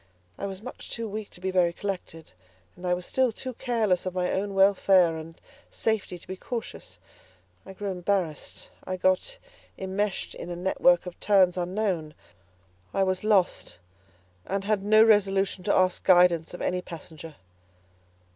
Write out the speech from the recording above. I was much too weak to be very collected, and I was still too careless of my own welfare and safety to be cautious; I grew embarrassed; I got immeshed in a network of turns unknown. I was lost and had no resolution to ask guidance of any passenger.